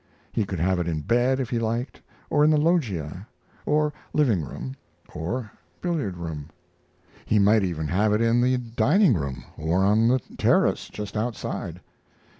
He could have it in bed if he liked, or in the loggia or livingroom, or billiard room. He might even have it in the diningroom, or on the terrace, just outside.